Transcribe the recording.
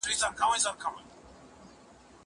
هغه وويل چي کار مهم دي!؟